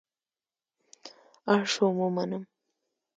اړ شوم ومنم.